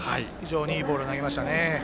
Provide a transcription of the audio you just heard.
いいボールを投げましたね。